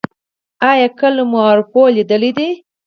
ایا کله مو ارواپوه لیدلی دی؟